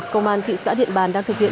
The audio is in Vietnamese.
công an thị xã điện bàn đang thực hiện